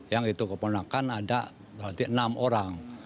yang itu keponakan ada berarti enam orang